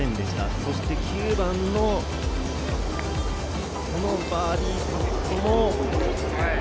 そして９番のこのバーディーパットも。